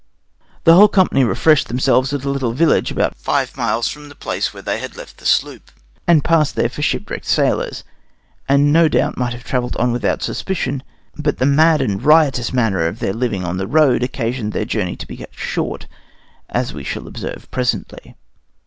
The whole company refreshed themselves at a little village about five miles from the place where they left the sloop, and passed there for shipwrecked sailors, and no doubt might have travelled on without suspicion, but the mad and riotous manner of their living on the road occasioned their journey to be cut short, as we shall observe presently.